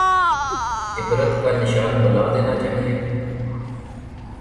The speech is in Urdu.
عبرت کا نشان بنا دینا چاہیے؟